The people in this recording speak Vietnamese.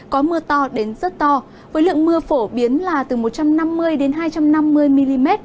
có mưa to đến rất to với lượng mưa phổ biến là từ một trăm năm mươi hai trăm năm mươi mm